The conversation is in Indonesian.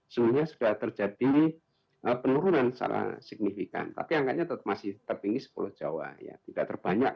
sehingga sudah terjadi penurunan secara signifikan tapi angkanya masih tertinggi sepuluh jawa tidak terbanyak